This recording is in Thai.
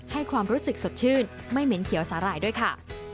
ให้ความรู้สึกสดชื่นไม่เหม็นเขียวสาหร่ายด้วยค่ะ